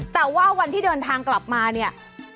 แต่ว่าวันที่เดินทางกลับมาเนี่ย